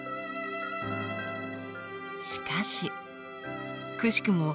しかしくしくも